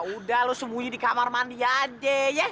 udah lo sembunyi di kamar mandi aja ya